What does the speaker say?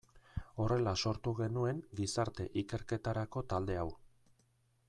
Horrela sortu genuen gizarte ikerketarako talde hau.